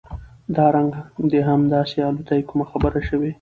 دا رنګ د هم داسې الوتى کومه خبره شوې؟